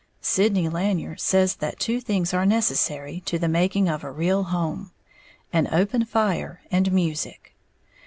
Sydney Lanier says that two things are necessary to the making of a real home, an open fire and music.